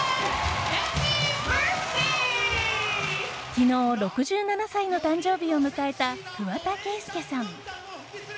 昨日、６７歳の誕生日を迎えた桑田佳祐さん。